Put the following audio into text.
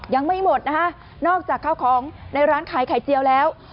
ยังไม่หมดนะคะนอกจากข้าวของในร้านขายไข่เจียวแล้ว